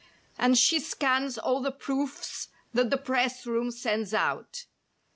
And she scans all the "proofs" that the press room sends out.